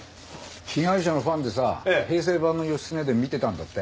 被害者のファンでさ平成版の『義経伝』見てたんだって。